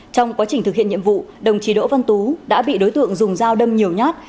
trong quá trình thực hiện nhiệm vụ đồng chí đỗ văn tú đã bị đối tượng dùng dao đâm nhiều nhát